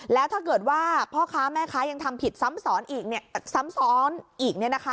แล้วถ้าเกิดว่าพ่อค้าแม่ค้ายังทำผิดซ้ำซ้อนอีก